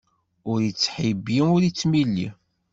Ur ittḥibbi, ur ittmilli.